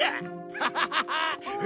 ハハハハ！